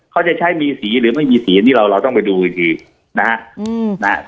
เขาจะใช้มีสีหรือไม่มีสีอันนี้เราเราต้องไปดูอีกทีนะฮะ